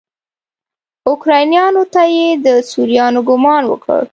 اوکرانیانو ته یې د سوريانو ګمان وکړ.